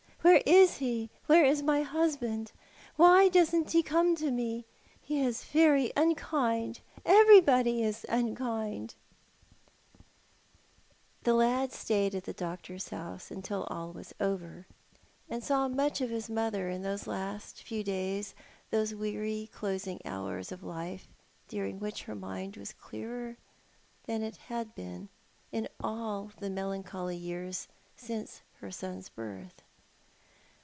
Where is he— where is my husband? Why doesn't he come to me? He is very unkind— everybody is unkind." Urquhart considers himself Ill used, 'jy The lad stayed at the doctor's house until all was over, and saw much of his mother in those last few days — those weary closing hours of life, during which her mind was clearer than it had been in all the melancholy years since her son's birth.